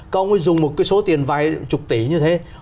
các ông ấy dùng một số tiền vài chục tỷ như thế